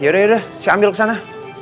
yaudah yaudah saya ambil ke sana